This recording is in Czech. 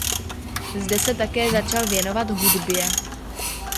Zde se také začal věnovat hudbě.